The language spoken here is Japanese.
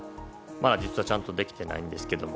実はちゃんとできていないんですけども。